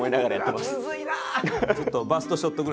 むずいな！